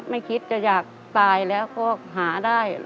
ไม่คิดจะอยากตายแล้วก็หาได้